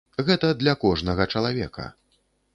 Гэта для кожнага чалавека.